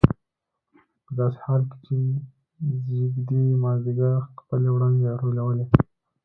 په داسې حال کې چې ځېږدي مازدیګر خپلې وړانګې راټولولې.